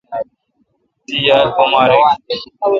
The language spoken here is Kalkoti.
تی یال بومارک۔